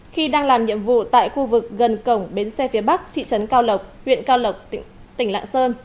khi đang làm nhiệm vụ tại khu vực gần cổng bến xe phía bắc thị trấn cao lộc huyện cao lộc tỉnh lạng sơn